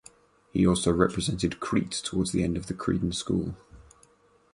He also represented Crete towards the end of the Cretan School.